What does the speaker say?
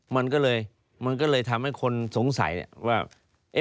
มันก็เลยทำให้คนสงสัยว่า